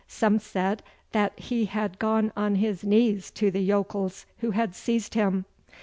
Some said that he had gone on his knees to the yokels who had seized him.